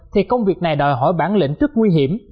thì công việc này đòi hỏi bản lĩnh rất nguy hiểm